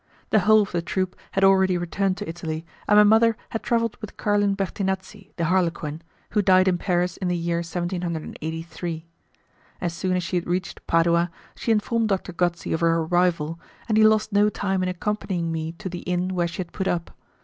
The whole of the troop had already returned to Italy, and my mother had travelled with Carlin Bertinazzi, the harlequin, who died in Paris in the year 1783. As soon as she had reached Padua, she informed Doctor Gozzi of her arrival, and he lost no time in accompanying me to the inn where she had put up.